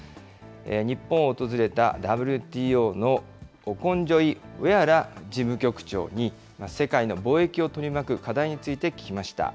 日本を訪れたＷＴＯのオコンジョイウェアラ事務局長に、世界の貿易を取り巻く課題について聞きました。